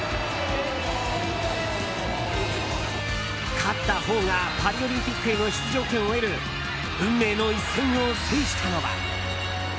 勝ったほうがパリオリンピックへの出場権を得る運命の一戦を制したのは。